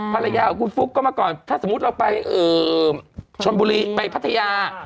ถ้าสมมุติว่าเราไปชนบุรีไปพัทยา